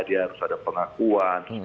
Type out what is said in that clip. dia harus ada pengakuan